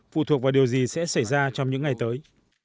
phụ thuộc vào điều gì sẽ xảy ra trong những ngày tới